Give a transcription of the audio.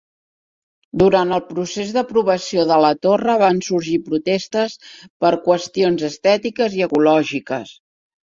Durant el procés d'aprovació de la torre van sorgir protestes per qüestions estètiques i ecològiques.